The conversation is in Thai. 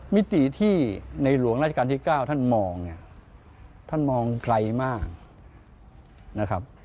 มิติที่ในหลวงราชการที่๙ท่านมองใครมาก